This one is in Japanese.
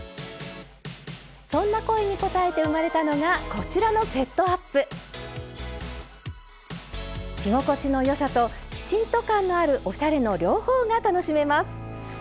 そんな声に応えて生まれたのがこちらの着心地の良さときちんと感のあるおしゃれの両方が楽しめます。